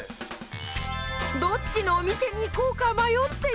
どっちのお店に行こうかうわっ！！